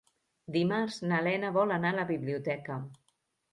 Dimarts na Lena vol anar a la biblioteca.